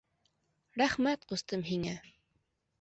— Рәхмәт, ҡустым, һиңә.